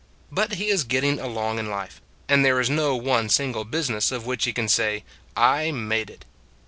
But he is getting along in life, and there is no one single business of which he can say: " I made it."